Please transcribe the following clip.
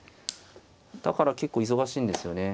だから結構忙しいんですよね。